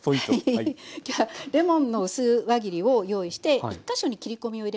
今日はレモンの薄輪切りを用意して１か所に切り込みを入れました。